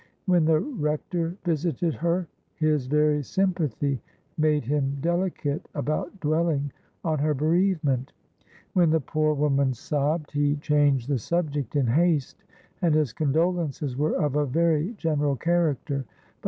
When the Rector visited her, his very sympathy made him delicate about dwelling on her bereavement. When the poor woman sobbed, he changed the subject in haste, and his condolences were of a very general character.